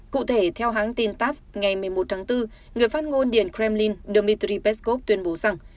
cụ thể theo hãng tin tass ngày một mươi một tháng bốn người phát ngôn điện kremlin dmitry peskov tuyên bố rằng